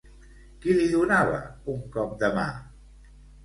Qui li donava un cop de mà?